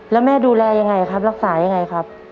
แล้วแม่ดูแลยังไงครับรักษายังไงครับ